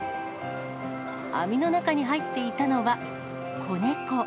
網の中に入っていたのは、子猫。